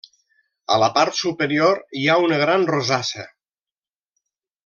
A la part superior hi ha una gran rosassa.